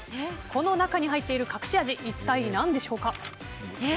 この中に入っている隠し味は一体何でしょうか。